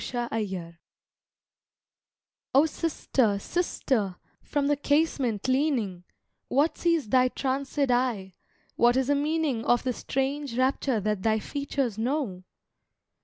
The Vision "O SISTER, sister, from the casement leaning, What sees thy tranced eye, what is the meaning Of the strange rapture that thy features know?"